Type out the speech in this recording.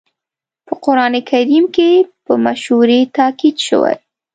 په قرآن کريم کې په مشورې تاکيد شوی.